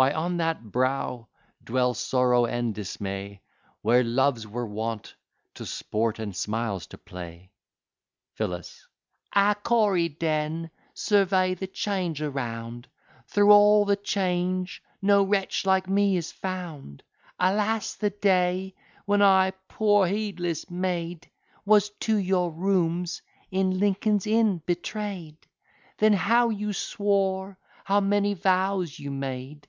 Why on that brow dwell sorrow and dismay, Where Loves were wont to sport, and Smiles to play? PHILLIS Ah, Corydon! survey the 'Change around, Through all the 'Change no wretch like me is found: Alas! the day, when I, poor heedless maid, Was to your rooms in Lincoln's Inn betray'd; Then how you swore, how many vows you made!